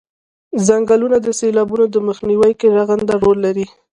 څنګلونه د سیلابونو په مخنیوي کې رغنده رول لري